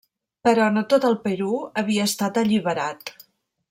Però no tot el Perú havia estat alliberat.